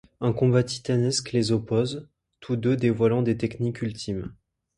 Un combat titanesque les oppose, tous deux dévoilant des techniques ultimes.